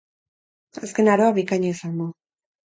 Azken aroa bikaina izan du.